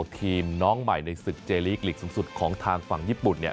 ทีมน้องใหม่ในศึกเจลีกลีกสูงสุดของทางฝั่งญี่ปุ่นเนี่ย